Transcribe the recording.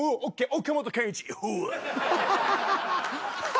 岡本健一！」